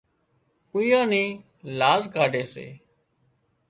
اويئان نِِي لاز ڪاڍي سي